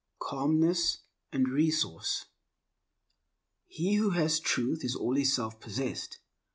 Calmness and Resource HE WHO HAS TRUTH is always self possessed.